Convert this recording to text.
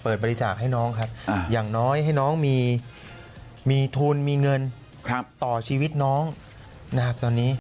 บริจาคให้น้องครับอย่างน้อยให้น้องมีทุนมีเงินต่อชีวิตน้องนะครับตอนนี้